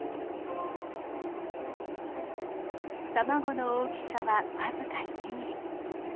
卵の大きさは僅か１ミリ。